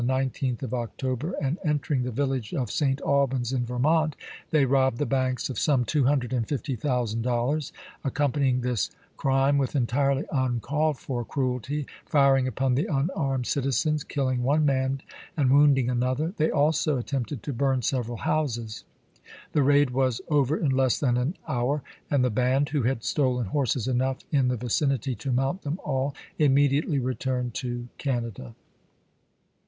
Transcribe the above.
on the 19th of October, and entering the village of St. Albans in Vermont, they robbed the banks of some two hundred and fifty thousand dollars, ac companying this crime with entirely uncalled for cruelty, firing upon the unarmed citizens, killing one man and wounding another; they also at tempted to burn several houses. The raid was over in less than an hour, and the band, who had stolen horses enough in the \icinity to mount them all, immediately retui'ned to Canada.